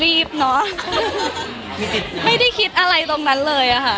เนอะไม่ได้คิดอะไรตรงนั้นเลยอะค่ะ